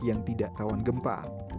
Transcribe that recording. yang tidak rawan gempa